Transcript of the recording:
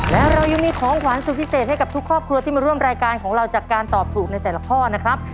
และเรายังมีของขวานสุดพิเศษให้กับทุกครอบครัวที่มาร่วมรายการของเราจากการตอบถูกในแต่ละข้อนะครับ